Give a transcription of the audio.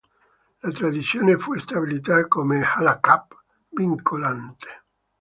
La tradizione fu stabilita come Halakhah vincolante.